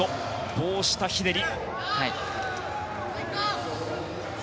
棒下ひねり。